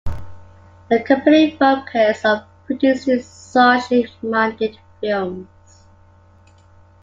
The company focused on producing socially minded films.